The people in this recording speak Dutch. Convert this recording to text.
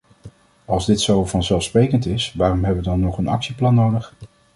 Als dit zo vanzelfsprekend is, waarom hebben we dan nog een actieplan nodig?